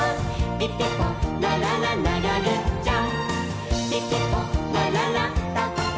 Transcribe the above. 「ピピポラララながぐっちゃん！！」